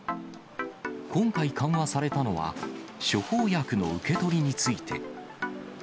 今回緩和されたのは、処方薬の受け取りについて。